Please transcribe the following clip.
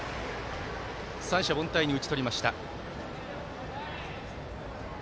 三者凡退に打ち取りました。